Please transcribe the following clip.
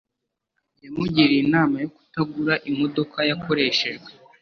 Yamugiriye inama yo kutagura imodoka yakoreshejwe